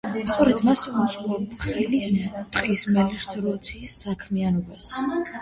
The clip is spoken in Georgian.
სწორედ მან შეუწყო ხელი ტყის მელიორაციის საქმიანობას.